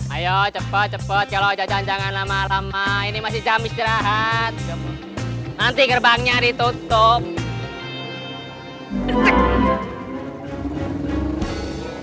ayo cepat cepat kalau jajan jangan lama lama ini masih jam istirahat nanti gerbangnya ditutup